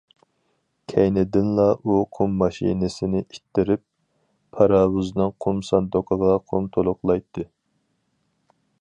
كەينىدىنلا ئۇ قۇم ماشىنىسىنى ئىتتىرىپ پاراۋۇزنىڭ قۇم ساندۇقىغا قۇم تولۇقلايتتى.